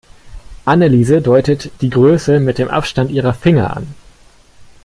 Anneliese deutet die Größe mit dem Abstand ihrer Finger an.